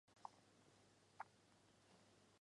莫氏刺剑水蚤为剑水蚤科刺剑水蚤属下的一个种。